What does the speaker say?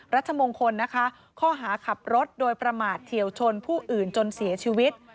รัชมงคลนะคะข้อหาขับรถโดยประมาทเฉียวชนผู้อื่นจนเสียชีวิต